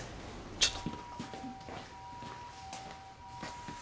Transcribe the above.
ちょっと。